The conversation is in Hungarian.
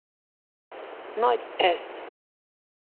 Nagy Sz.